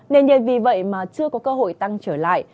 nền nhiệt vì vậy mà chưa có cơ hội tăng trở lại